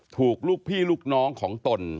ถูกลูกพี่ลูกน้องของตน